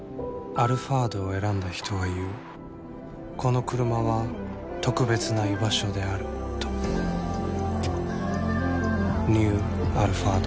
「アルファード」を選んだ人は言うこのクルマは特別な居場所であるとニュー「アルファード」